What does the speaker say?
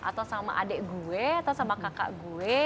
atau sama adik gue atau sama kakak gue